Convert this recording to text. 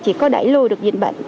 chỉ có đẩy lùi được dịch bệnh